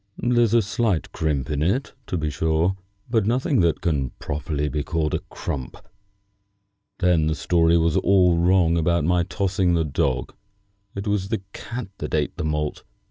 "There's a slight crimp in it, to be sure, but nothing that can properly be called a crump. Then the story was all wrong about my tossing the dog. It was the cat that ate the malt.